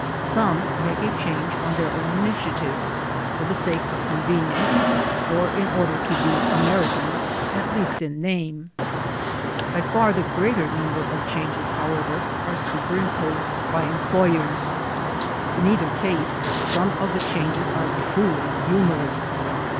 Some make a change on their own initiative, for the sake of convenience, or in order to be Americans at least in name. By far I GO TO JAIL 107 the greater number of changes, however, are super imposed by employers. In either case, some of the changes are truly humorous.